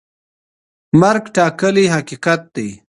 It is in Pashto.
مرګ ټاکلی حقیقت دی.